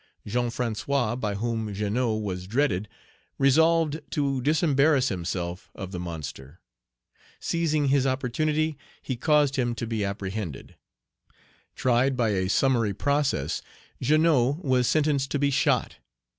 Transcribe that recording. Jean François, by whom Jeannot was dreaded, resolved to disembarrass himself of the monster. Seizing his opportunity, he caused him to be apprehended. Tried by a summary process, Jeannot was sentenced to be shot.